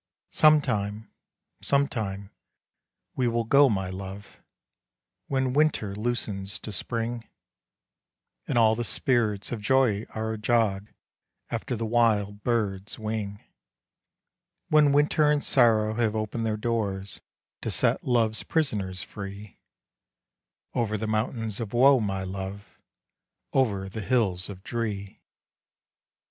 Sometime, sometime, we will go, my Love, When winter loosens to spring, And all the spirits of Joy are ajog, After the wild bird's wing, When winter and sorrow have opened their doors To set love's prisoners free, Over the mountains of woe, my Love, Over the hills of dree.